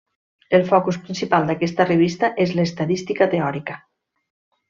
El focus principal d'aquesta revista és l’Estadística Teòrica.